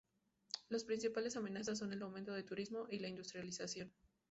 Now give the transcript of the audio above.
Las principales amenazas son el aumento del turismo y la industrialización.